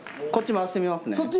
こっち回してみますね。